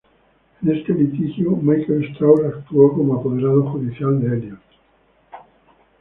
En este litigio, Michael Strauss actuó como apoderado judicial de Elliott.